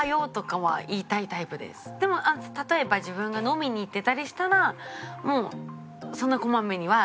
でも例えば自分が飲みに行ってたりしたらもうそんなこまめには取りたくないですね。